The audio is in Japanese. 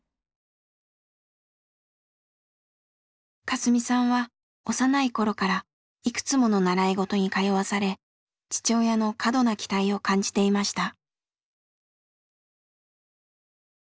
カスミさんは幼い頃からいくつもの習い事に通わされ父親の過度な期待を感じていました。